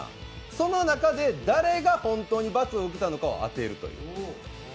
その中で誰が本当に罰を受けたのかを当てるという。